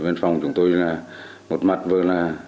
văn phòng chúng tôi một mặt vừa là